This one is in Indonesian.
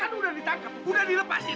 saya kan udah ditangkep udah dilepasin